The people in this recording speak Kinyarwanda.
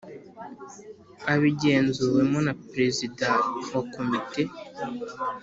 abigenzuwemo na Prezida wa Komite